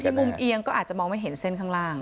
มุมเอียงก็อาจจะมองไม่เห็นเส้นข้างล่าง